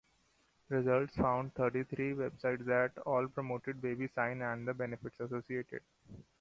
Results found thirty-three websites that all promoted baby sign and the benefits associated.